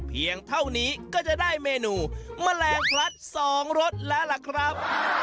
เพียงเท่านี้ก็จะได้เมนูแมลงพลัด๒รสแล้วล่ะครับ